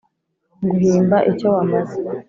nguhimba icyo wamaze,